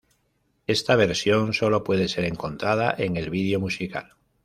Esta versión sólo puede ser encontrada en el vídeo musical.